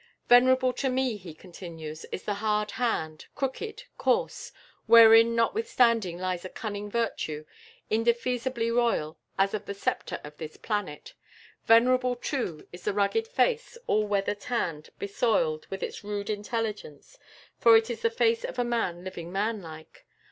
"Venerable to me," he continues, "is the hard Hand; crooked, coarse; wherein notwithstanding lies a cunning virtue, indefeasibly royal, as of the Sceptre of this Planet. Venerable, too, is the rugged face, all weather tanned, besoiled, with its rude intelligence; for it is the face of a Man living manlike.